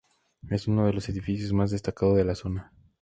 Es uno de los edificios más destacado de la zona.